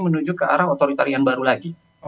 menuju ke arah otoritarian baru lagi